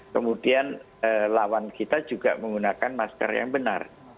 kemudian lawan kita juga menggunakan masker yang benar